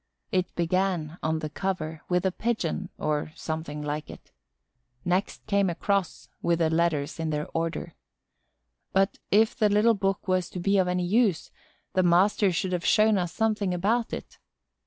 It began, on the cover, with a Pigeon, or something like it. Next came a cross, with the letters in their order. But, if the little book was to be of any use, the master should have shown us something about it.